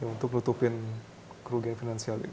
untuk nutupin kru gefinansial ini